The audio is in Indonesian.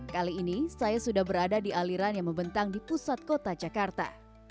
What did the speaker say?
kali ini saya sudah berada di aliran yang membentang di pusat kota jakarta